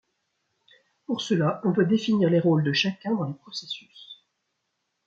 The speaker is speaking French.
Pour cela, on doit définir les rôles de chacun dans les processus.